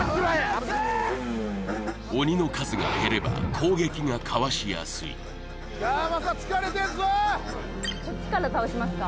危ない鬼の数が減れば攻撃がかわしやすいこっちから倒しますか？